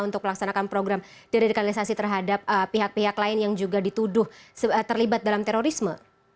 untuk melaksanakan program deradikalisasi terhadap pihak pihak lain yang juga dituduh terlibat dalam terorisme